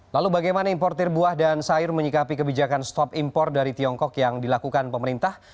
lalu bagaimana importer buah dan sayur menyikapi kebijakan stop impor dari tiongkok yang dilakukan pemerintah